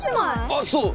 あっそう！